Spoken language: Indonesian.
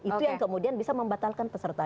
itu yang kemudian bisa membatalkan peserta